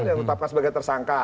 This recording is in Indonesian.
yang ditetapkan sebagai tersangka